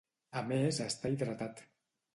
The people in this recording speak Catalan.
A més està hidratat.